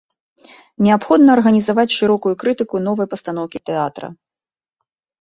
Неабходна арганізаваць шырокую крытыку новай пастаноўкі тэатра.